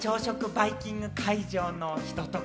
バイキング会場の人とか。